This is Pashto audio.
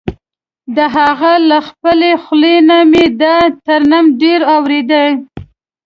د هغه له خپلې خولې نه مې دا ترنم ډېر اورېده.